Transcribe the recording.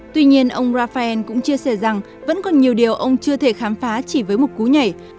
tuy nhiên ông rafael cũng chia sẻ rằng vẫn còn nhiều điều ông chưa thể khám phá chỉ với một cú nhảy